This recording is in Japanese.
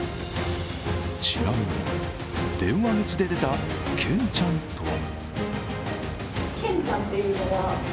ちなみに電話口で出たけんちゃんとは？